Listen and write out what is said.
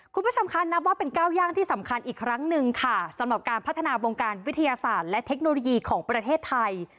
คุณผู้ชมคะนับว่าเป็นก้าวย่างที่สำคัญอีกครั้งหนึ่งค่ะสำหรับการพัฒนาวงการวิทยาศาสตร์และเทคโนโลยีของประเทศไทย